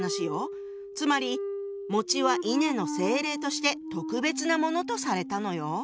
つまりは稲の精霊として特別なものとされたのよ。